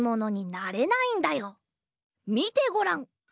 みてごらん！